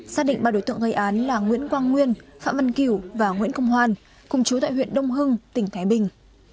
xác định ba đối tượng gây án là nguyễn quang nguyên phạm văn kiểu và nguyễn công hoan cùng chú tại huyện đông hưng tỉnh thái bình